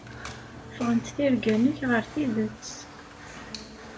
Ffɣent tirga-nnek ɣer tidet.